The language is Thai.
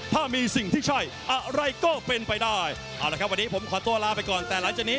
ถ้ามีสิ่งที่ใช่อะไรก็เป็นไปได้